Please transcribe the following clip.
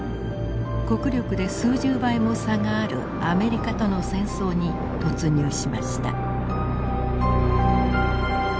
国力で数十倍も差があるアメリカとの戦争に突入しました。